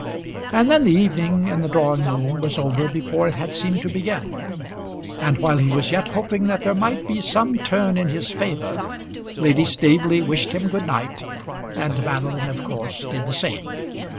And then the evening in the drawing room was over before it had seemed to begin; and while he was yet hoping that there might be some turn in his favour, Lady Staveley wished him good night, and Madeline of course did the same.